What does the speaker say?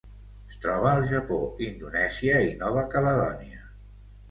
Es troba al Japó, Indonèsia i Nova Caledònia.